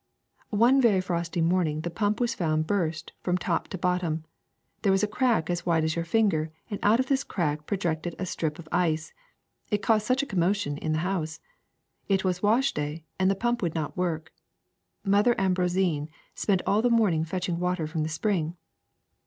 ^^One very frosty morning the pump was found burst from top to bottom ; there was a crack as wide as your finger, and out of this crack projected a strip of ice. It caused such a commotion in the house ! It was wash day, and the pump would not work. Mother Ambroisine spent all the morning fetching water from the spring.